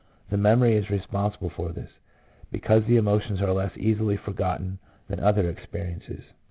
The memory is responsible for this, because the emotions are less easily forgotten than other experiences.